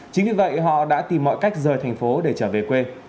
chính vì vậy họ đã tìm mọi cách rời thành phố để trở về quê